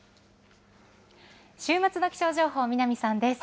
週末の気象情報、南さんです。